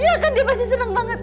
iya kan dia masih seneng banget